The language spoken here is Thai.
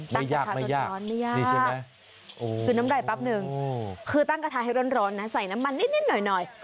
ไม่ยากนี่ใช่ไหมน้ำไดปั๊บหนึ่งคือตั้งกระทะให้ร้อนใส่น้ำมันนิดหน่อย